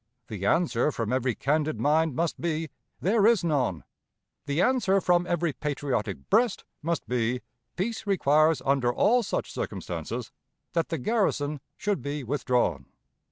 The answer from every candid mind must be, there is none. The answer from every patriotic breast must be, peace requires under all such circumstances that the garrison should be withdrawn.